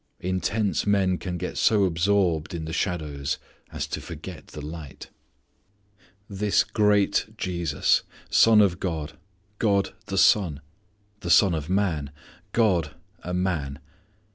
Intense men can get so absorbed in the shadows as to forget the light. This great Jesus! Son of God: God the Son. The Son of Man: God a man!